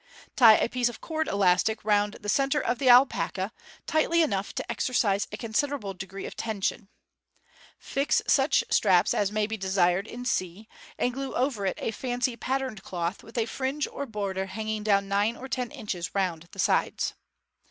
Tie a piece of cord elastic round the centre of the alpaca, tightly enough to exercise a consider able degree of tension. Fix such traps as may be desired in c, and glue over it a fancy patterned cloth, with a fringe or border hanging Fig. 281. MODERN MAGIC. 451 down nine or ten inches round the sides.